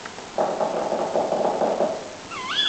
თავისუფალ დროს მოთხრობებისა და მოკლე ესსეების წერას უთმობდა.